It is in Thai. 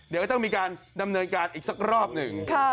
เดี๋ยวก็ต้องมีการดำเนินการอีกสักรอบหนึ่ง